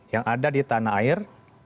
yang ada di tanah air